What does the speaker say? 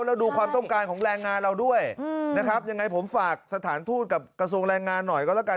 เราดูความต้องการของแรงงานเราด้วยนะครับยังไงผมฝากสถานทูตกับกระทรวงแรงงานหน่อยก็แล้วกัน